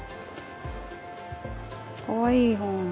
かわいい本。